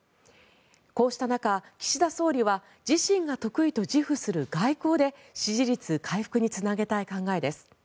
こうした中、岸田総理は自身が得意と自負する外交で支持率回復につなげたい考えです。